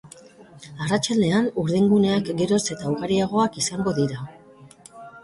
Arratsaldean, urdinguneak geroz eta ugariagoak izango dira.